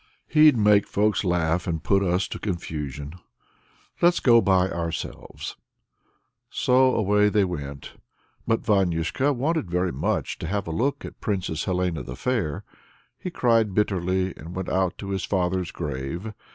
He'd make folks laugh and put us to confusion; let's go by ourselves." So away they went. But Vanyusha wanted very much to have a look at the Princess Helena the Fair. He cried, cried bitterly; and went out to his father's grave.